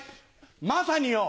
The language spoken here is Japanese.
まさによ！